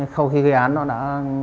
sau khi ghi án nó đã